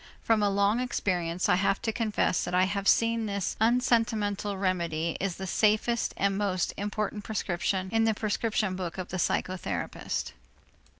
From a long experience I have to confess that I have seen that this unsentimental remedy is the safest and most important prescription in the prescription book of the psychotherapist.